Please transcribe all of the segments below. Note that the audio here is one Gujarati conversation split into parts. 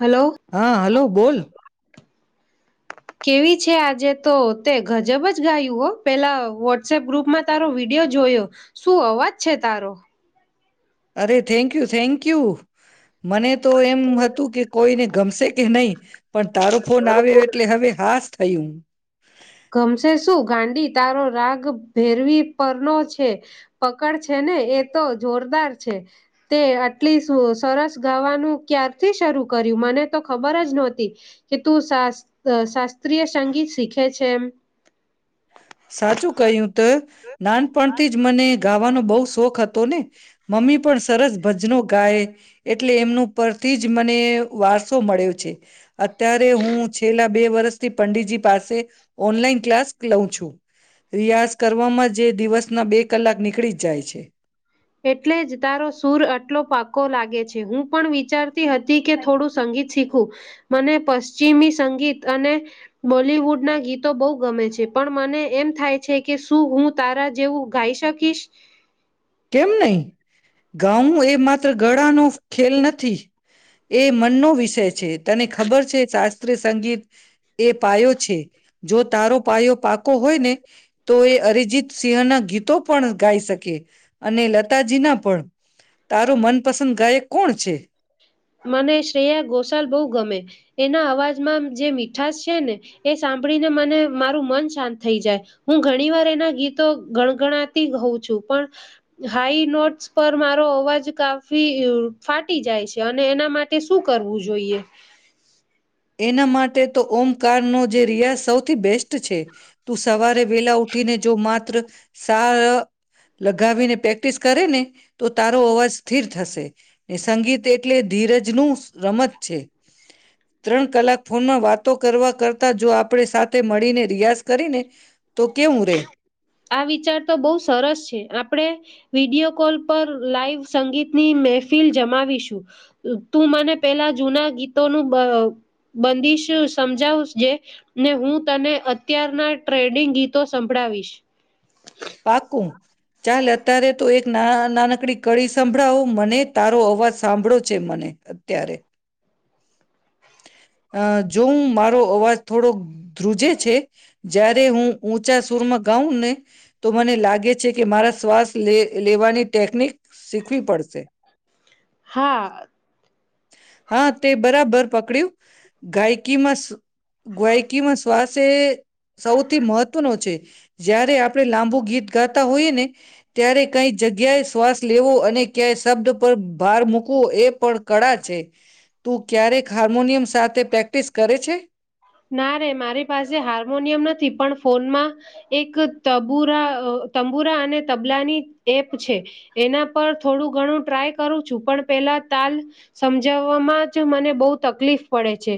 હલો હા હલો બોલ. કેવી છે આજે તો તે ગજબ જ ગાયું હો પેલા વોટ્સપ ગ્રુપમાં તારો વિડિયો જોયો શું અવાજ છે તારો અરે થેન્ક યુ થેન્ક યુ મને તો એમ હતું કે કોઈને ગમશે કે નહી. પણ તારો ફોન આવ્યો એટલે હવે હાસ અયું ગમશે શું ગાંડી તારો રાગ ભેરવી પરનો છે પકડ છે ને એ તો જોરદાર છે, તે આટલી સરસ ગાવાનું ક્યારથી શરૂ કર્યું મને તો ખબર જ નહોતી કે તું શાસ્ શાસ્ત્રીય સંગીત શીખે છે. એમ સાચું કહ્યું તો નાનપણથી જ મને ગાવાનું બહુ શોખ હતો ને. મમ્મી પણ સરસ ભજનો ગાય એટલે એમનું પરથી જ મને વારસો મળ્યો છે અત્યારે હું છેલ્લા બે વર્ષ થી પંડિતજી પાસે ઓનલાઈન ક્લાસ લઉં છું રિયાઝ કરવામાં જે દિવસ ના બે કલાક નીકળી જ જાય છે એટલે જ તારો સુર આટલો પાક્કો લાગે છે હું પણ વિચારતી હતી કે થોડું સંગીત શીખું મને પશ્ચિમી સંગીત અને બોલવુડના ગીતો બહુ ગમે છે પણ મને એમ થાય છે કે શું હું તારા જેવું ગાઈ શકીશ કેમ નહીં ગાઉ એ માત્ર ગળાનો ખેલ નથી એ મનનો વિષય છે તને ખબર છે શાસ્ત્રીય સંગીત એ પાયો છે જો તારો પાયો પાકો હોય ને તો એ અરિજીત સિંહના ગીતો પણ ગાઈ શકે અને લતાજીના પણ તારો મનપસંદ ગાયક કોણ છે મને શ્રેયા ગોશાલ બહુ ગમે એના અવાજમાં જે મીઠાશ છે ને એ સાંભળીને મને મારું મન શાંત થઈ જાય હું ઘણી વાર એના ગીતો ગણગણાતી હોઉં છું પણ હાઈ નોટસ પર મારો અવાજ કાફી ફાટી જાય છે અને એના માટે શું કરવું જોઈએ એના માટે તો ઓમકારનો જે રિયાઝ સૌથી બેસ્ટ છે તું સવારે વહેલા ઉઠ ઉઠીને જો માત્ર સા ર લગાવીને પ્રેક્ટિસ કરે ને તો તારો અવાજ સ્થિર થશે એ સંગીત એટલે ધીરજ જ નુંજ રમત છે ત્રણ કલાક ફોનમાં વાતો કરવા કરતા જો આપણે સાથે મળીને રિયાઝ કરીને તો કેવું રે [inaudible] આ વિચાર તો બહ સરસ છે આપણે વિડીયો કોલ પર લાઈવ સંગીતની મહેફિલ જમાવીશું તું મને પેલા જૂના ગીતોનું બ બ બંદીશ સમજાવ જેને હું તને અત્યારના ટ્રેડિંગ ગીતો સંભળાવીશ પાકું ચાલ અત્યારે તો એક ના નાનકડી કડી સંભળાવો મને તારો અવાજ સાંભળો છે મને અત્યારે અ જોમ મારો અવાજ થોડોક ધ્રુજે છે જ્યારે હું ઊંચા સુરમાં ગાઉં ને તો મને લાગે છે કે મારા શ્વાસ લેવા લેવાની ટેકનિક શીખવી પડશે હા હા તે બરાબર પકડ્યું ગાયકીમાં સ ગાયકીમાં શ્વાસ એ સૌથી મહત્વ નો છે જય્યારે આપણે લાંબુ ગીત ગાતા હોઈએ ને ત્યારે કઈ જગ્યાએ શ્વાસ લેવો અને અને ક્યાય શબ્દ પર ભાર મૂકવો એ પણ કળા છે તું ક્યારે ના રે મારી પાસે હાર્મોનિયમ નથી પણ ફોનમાં એક તબુરા તંબુરા અને તબલાની એપ છે. એના પર થોડું ઘણું ટ્રાય કરું છું. પણ પેલા તાલ સમજાવ. જ મને બહ તકલીફ પડે છે.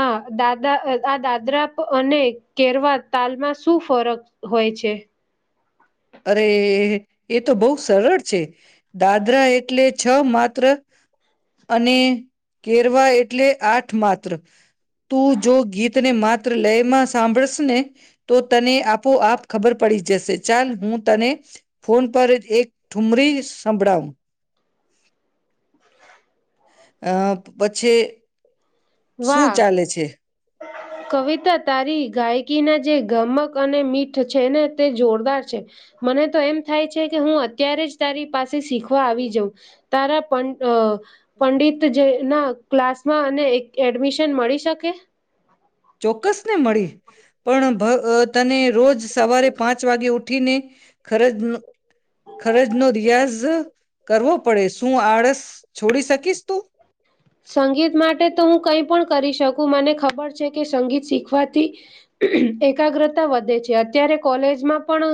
આ દાદા આ દાદરા અને કેરવા તાલમાં શું ફરક હોય છે. અરે એ તો બહુ સરળ છે. દાદરા એટલે જ છ માત્ર, અને ઘેરવા એટલે આ ઠ માત્ર. તું જો ગીતને માત લયમાં સાંભળશેને તો તને આપોઆપ ખબર પડી જશે. ચાલ હું તને ફોન પર એક ઠુમરી સંભળાવું અ પછે શું વાહ ચાલે છે. કવિતા તારી ગાયકીના જે ગમક અને મીઠ છે. ને તે જોરદાર છે. મને તો એમ થાય છે, કે હું અત્યારે જ તારી પાસે શીખવા આવી જઉં. તારા પન અ પંડિત જે ના ક્લાસમાં અને એડમિશન મળી શકે. ચોક્કસ ને મળી. પણ, ભ અ તને રોજ સવારે પાંચ વાગે ઉઠીને, ખરજનો ખરજનો ડીયાઝ કરવો પડે. શું આળસ છોડી શકીશ તું. સંગીત માટે તો હું કઈ પણ કરી શકું. મને ખબર છે, કે સંગીત શીખવાથી એકાગ્રતા વધે છે. અત્યારે, કોલેજમાં પણ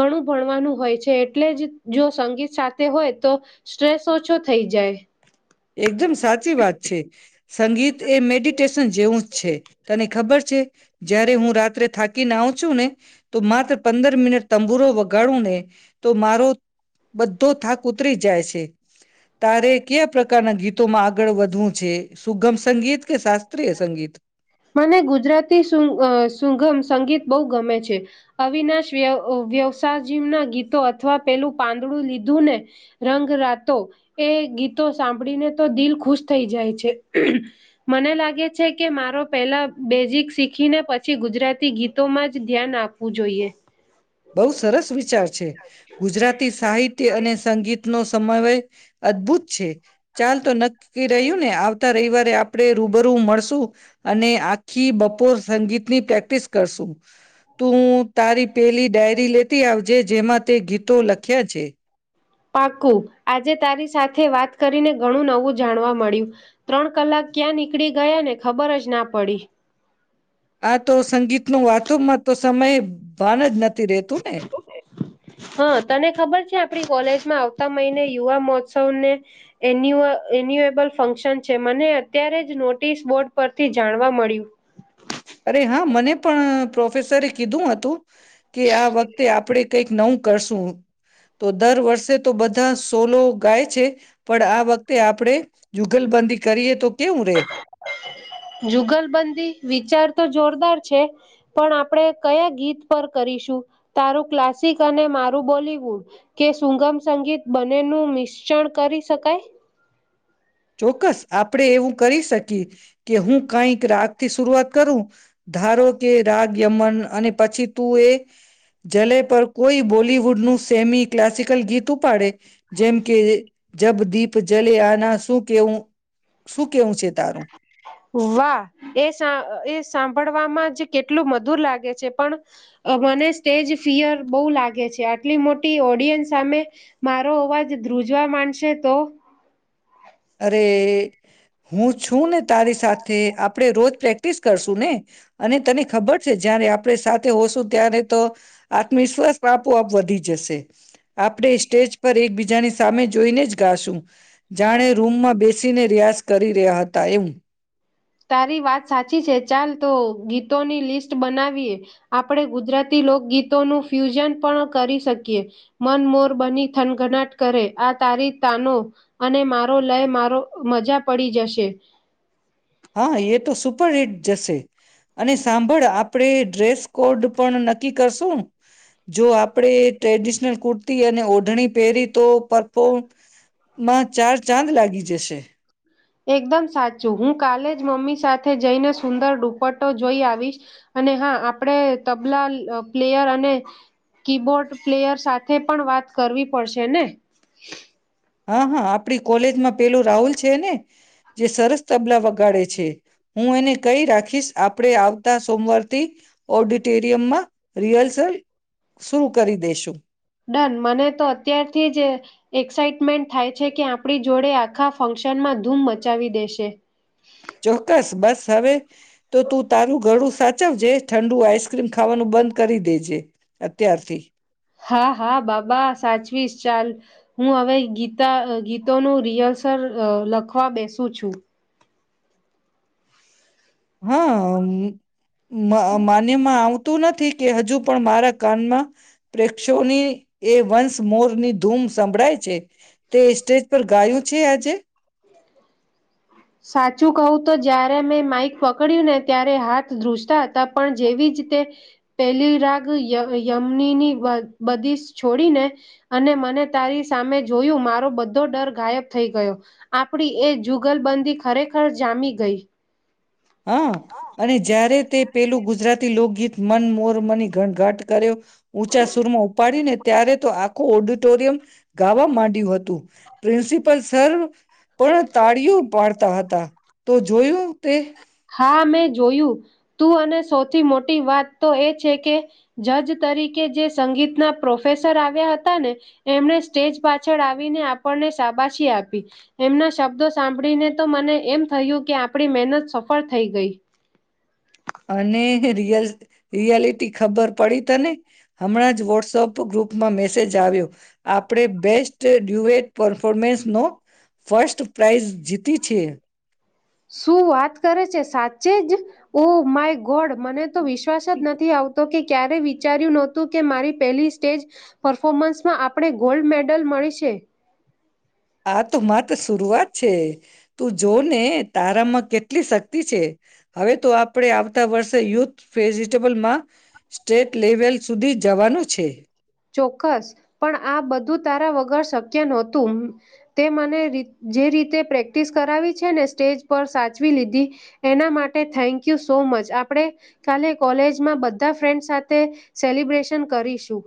ઘણું ભણવાનું હોય છે. એટલે જ જો સંગીત સાથે હોય તો સ્ટ્રેસ ઓછો થઈ જાય. એકદમ સાચી વાત છે. સંગીત એ મેડિટેશન જેવું જ છે. તને ખબર છે. જયારે, હું રાત્રે થાકીને આવુ ચૂને તો માત્ર પંદર મિનટ તંબુરો વગાડુંને, તો મારો બધો થાક ઉતરી જાય છે. તારે ક્યા ના ગીતોમાં આગળ વધવું છે. સુગમ સંગીત કે શાસ્ત્રીય સંગીત મને ગુજરાતી સુગ સુગમ સંગીત બહુ ગમે છે. અવિનાશ વ્ય વ્યવસજીના ગીતો અથવા પેલું પાંદડું લીધુંને રંગ રાતો, એ ગીતો સાંભળીને તો દિલ ખુશ થઈ જાય છે. મને લાગે છે, કે મારો પેલા બેઝિક શીખીને પછી, ગુજરાતી ગીતોમાં જ ધ્યાન આપવું જોઈએ. બહુ સરસ વિચાર છે. ગુજરાતી સાહિત્ય અને સંગીતનો તમાય વય અદભુત છે. ચાલ તો નક્કી રહ્યું, ને આવતા રવિવાર એ આપણે રૂબરૂ મળશું. અને આખી બપોર સંગીત ની પ્રેક્ટિસ કરશું. તું તારી પેલી લેતી આવજે જેમાં તે ગીતો લખ્યા છે. પાકુ આજે તારી સાથે વાત કરીને ઘણું નવું જાણવા મળ્યું. ત્રણ કલાક ક્યાં નીકળી ગયાને ખબર જ ના પડી. આ તો સંગીતનો વાત તો મત સમયે ભાન જ નથી રહેતુંને હા તને ખબર છે આપણી કોલેજમાં આવતા મહિને યુવા મહોત્સવને એન્યુ એન્યુએબલ ફંક્શન છે મને અત્યારે જ નોટિસ બોર્ડ પરથી જાણવા મળ્યું અરે હા મને પણ પ્રોફેસરે કીધું હતું કે આ વખતે આપણે કંઈક નવું કરશું તો દર વર્ષે તો બધા બધા સોલો ગાય છે પણ આ વખતે આપણેે જુગલબંધી કરીએ તો કેવું રે જુગલબંધી વિચાર તો જોરદાર છે પણ આપણે કયા ગીત પર કરીશું તારું ક્લાસિક અને મારું બોલીવુડ કે સુુંગમ સંગીત બનેનું મિશ્રણ કરી શકાય ચોક્કસ આપણેે એવું કરી શકીએ કે હું કઈક રાગ થી શરૂઆત કરું ધારો કે રાગ યમન અને પછી તું એ જલે પર કોઈ બોલવુડનું સેમી ક્લાસિકલ ગીત ઉપાડે જેમ કે જબ દીપ જલે આના સૂખ કેવું શું કહેવું છે તારું વાહ એ સા એ સાંભળવામાં જ કેટલું મધુર લાગે છે પણ મને સ્ટેજ ફિયર બહુ લાગે છે આટલી મોટી ઓડિયન્સ સામે મારો અવાજ ધ્રુજવા માંડશે તો અરે હું છું ને તારી સાથે આપણે રોજ પ્રેક્ટ પ્રેક્ટિસ કરશું ને અને તને ખબર છે જયારે આપણે સાથે હોશું ત્યારે તો આત્મવિશ્વાસ આપોઆપ વધી જશે આપણે સ્ટેજ પર એકબીજાની સામે જોઈને જ ગાશું જાણે માં બેસીને રિયાઝ કરી રહ્યા હતા એવું [inaudible] તારી વાત સાચી છે ચાલ તો ગીતોની લિસ્ટ બનાવીએ આપણે ગુજરાતી લોકગીતોનું ફ્યુઝન પણ કરી શકીએ મન મોર બની થનઘનાટ કરે આ તારી તાનો અને મારો લય મારો મજા પડી જશે હા એ તો સુપર હિટ જશે અને સાંભળ આપડે ડ્રેસ કોડ પણ નક્કી કરશું જો આપડે ટ્રેડિ કુર્તી અને ઓઢણી પહેરી તો પરફો માં ચાર ચાંદ લાગી જશે એકદમ સાચું હું કાલે જ મમ્મી સાથે જઈને સુંદર દુપટો જોઈ આવીશ અને હા આપણેે તબલા પ્લેયર અને કીબોર્ડ પ્લેયર સાથે પણ વાત કરવી પડશે ને હા હા આપણી કોલેજમાં પેલું રાહુલ છે ને જે સરસ તબલા વગાડે છે હું એને કઈ રાખીશ આપણે આવતા સોમવારથી ઓડિટોરિયમમાં રિહર્સલ શરૂ કરી દેસુ. [unintelligible] ડન મને મેન્ટ થાય છે કે, આપણી જોડે આખા ફંક્શનમાં ધૂમ મચાવી દેશેવ ચોક્કસ બસ હવે તો, તું તારું ગળું સાચ ચ જે ઠંડુ આઈસક્રીમ ખાવાનું બંધ કરી દેજે, અત્યારથી. હા હા બાબા સાચવીશ. ચાલ, હું હવે ગીતા ગીતોનું રિહર્સલ લખવા બેસું છું. હા મ માન્યમાં આવ તું નથી કે હજુ પણ મારા કાનમાં પ્રેક્ષો ની એ વંન્સ મોરની ધૂમ સંભળાય છે. તે સ્ટેજ પર ગાયું છે આજે? સાચું કહું તો જયારે મેં માઈક પકડ્યું ને, ત્યારે હાથ ધ્રુસતા હતા. હા પણ જેવી જ તે પેલી રાગ ય યમનીની બંદીશ છોડીને અને મને તારી સામે જોયું, મારો બધો ડર ગાયબ થઈ ગયો આપડી એ જુગલ બંધ ખરેખર જામી ગઈ. હા! અને જયારે તે પેલું ગુજરાત થી લોકગીત મન મોર મની ઘટઘાટ કરે, ઊંચા સુરમાં ઉપાડીને ત્યારે તો આખું ઓડિટોરિયમ ગાવા માંડ્યું હતું. પ્રિન્સિપલ સર પણ તાળીઓ પાડતા હતા તો જોયું તે? હા મેં જોયું તું, અને સૌથી મોટી વાત તો એ છે કે, જજ તરીકે જે સંગીતના પ્રોફેસર આવ્યા હતા ને, એમણે સ્ટેજ પાછળ આવીને આપણને શાબાશી આપી. એમના શબ્દો સાંભળીને તો મને એમ થયું કે, આપણી મહેનત સફળ પર થઈ ગઈ. અને જે રિહર્સલ રિયાલિટી ખબર પડી તને? હમણાં જ વોટ્સઅપ ગ્રુપમાં મેસેજ આવ્યો, આપણે બેસ્ટ ડ્યુએટ પરફોર્મન્સનો ફર્સ્ટ પ્રાઇઝ જીતી છીએ. શું વાત કરે છે? સાચે જ! ઓ માય ગોડ મને વિશ્વાસ જ નથી આવતો કે ક્યારેય વિચાર્યું નહોતું કે, મારી પહેલી સ્ટેજ પરફોર્મન્સમાં આપણે ગોલ્ડ મેડલ મળી છે. આ તો માત્ર શરૂઆત છે. તું જો ને, તારા મ કેટલી શક્તિ છે. હવે તો આપણે આવતા વર્ષે યુ્ધ વેજિટેબલ માં સ્ટેટ લેવલ સુધી જવાનું છે. ચોક્કસ પણ આ બધું તારા વગર શક્ય નહોતું. તે મને જે રીતે પ્રેક્ટિસ કરાવી છે ને, સ્ટેજ પર, સાચવી લીધી એના માટે થેન્ક યુ સો મચ આપણે કાલે કોલેજમાં બધા ફ્રેન્ડ સાથે તે સેલિબ્રેશન કરીશું.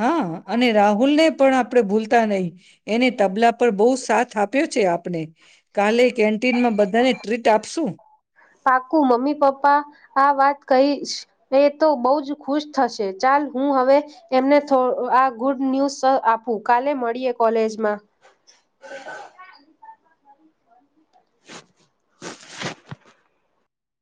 હા અને રાહુલ ને પણ, આપ આપણે ભૂલતા નહી એને તબલા પર બહુ સાથ આપે આપ્યો છે આપણે કાલે કેન્ટીનમાં બધા તેને ટ્રીટ આપશું પાકુ મમ્મી પપ્પા આ વાત કહીએ એ તો બહ જ ખુશ થશે ચાલ હું હવે એમને આ ગુડ ન્યૂઝ આપું કાલે મળીએ કોલેજમાં